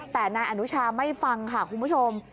แต่นายอนุชาไม่ฟังค่ะคุณผู้ชม